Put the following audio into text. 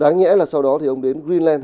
đáng nhẽ là sau đó thì ông đến greenland